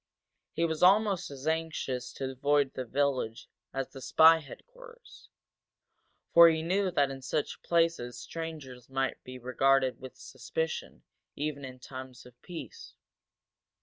He was almost as anxious to avoid the village as the spy headquarters, for he knew that in such places strangers might be regarded with suspicion even in times of peace.